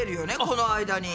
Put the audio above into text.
この間に。